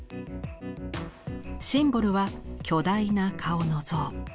シンボルは巨大な顔の像。